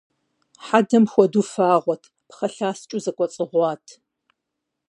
Хьэдэм хуэдэу фагъуэт, пхъэ ласкӀэу зэкӀуэцӀыгъуат.